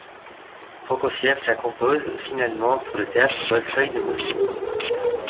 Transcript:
Prokofiev la compose finalement pour le théâtre Bolchoï de Moscou.